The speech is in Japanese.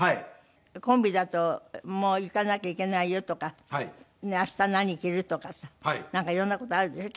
コンビだと「もう行かなきゃいけないよ」とか「明日何着る？」とかさなんか色んな事があるでしょ？